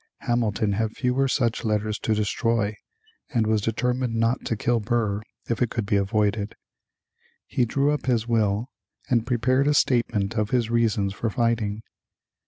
Hamilton had fewer such letters to destroy, and was determined not to kill Burr if it could be avoided. He drew up his will, and prepared a statement of his reasons for fighting.